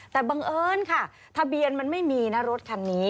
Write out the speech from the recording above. แต่บังเอิญค่ะทะเบียนมันไม่มีนะรถคันนี้